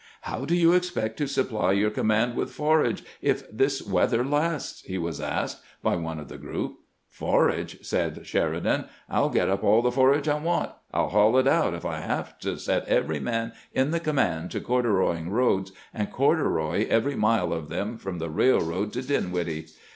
" How do you expect to supply your command with GRANT AND SHERIDAN CONFER 429 forage if this weatlier lasts ?" he was asked by one of the group. " Forage !" said Sheridan. " I '11 get up aU the forage I want. I '11 haul it out, if I have to set every man in the command to corduroying roads, and corduroy every mile of them from the railroad to Din widdle.